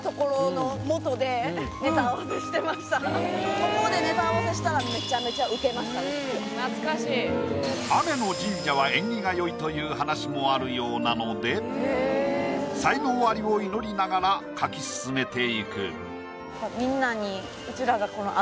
ここでネタ合わせしたらという話もあるようなので才能アリを祈りながら描き進めていく。